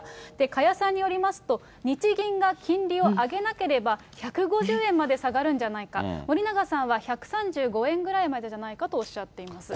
加谷さんによりますと、日銀が金利を上げなければ１５０円まで下がるんじゃないか、森永さんは１３５円ぐらいまでじゃないかとおっしゃっています。